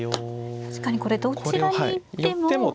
確かにこれどちらに行っても。